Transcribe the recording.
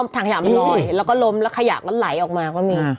ถังขยะมันลอยแล้วก็ล้มแล้วขยะก็ไหลออกมาก็มี